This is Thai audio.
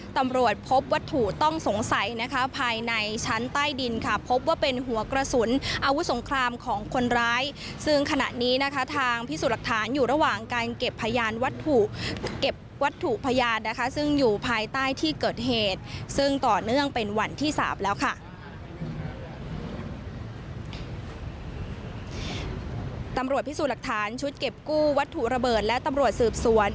ตำรวจพิสูจน์หลักฐานชุดเก็บกู้วัตถุระเบิดและตำรวจสืบสวน